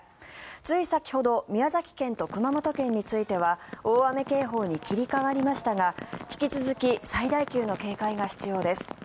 つい先ほど宮崎県と熊本県については大雨警報に切り替わりましたが引き続き最大級の警戒が必要です。